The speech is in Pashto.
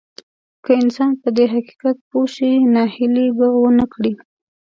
که انسان په دې حقيقت پوه شي ناهيلي به ونه کړي.